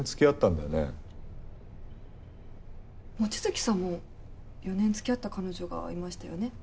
望月さんも４年付き合った彼女がいましたよね？